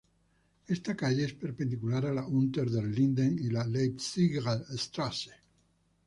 Esta calle es perpendicular a la Unter den Linden y la Leipziger Straße.